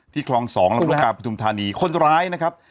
ที่คลองสองลักษณะผู้ทุ่มธารณีคนร้ายนะครับ